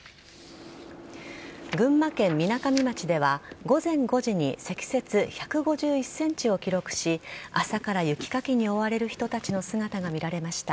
群馬県みなかみ町では、午前５時に積雪１５１センチを記録し、朝から雪かきに追われる人たちの姿が見られました。